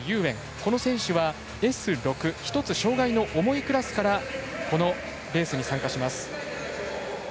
この選手は、Ｓ６１つ障がいの重いクラスからこのレースに参加します。